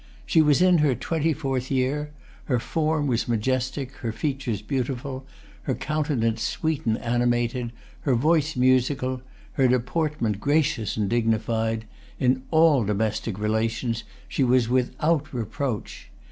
She was in her twenty fourth year. Her form was majestic, her features beautiful, her countenance sweet and animated, her voice musical, her deportment gracious and dignified.[Pg 259] In all domestic relations she was without reproach.